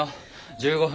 １５分。